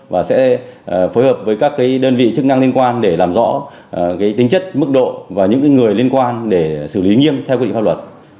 và sẽ phối hợp với các đơn vị chức năng liên quan để làm rõ tính chất mức độ và những người liên quan để xử lý nghiêm theo quy định pháp luật